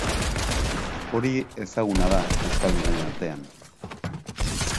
Hori ezaguna da euskaldunen artean.